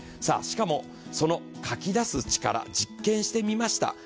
しかもそのかき出す力実験してみました。